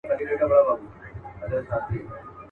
و حاکم ته سو ور وړاندي په عرضونو.